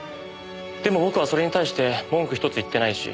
でも僕はそれに対して文句一つ言ってないし。